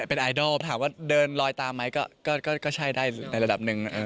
เป็นไอดอลถามว่าเดินลอยตามไหมก็ใช่ได้ในระดับหนึ่ง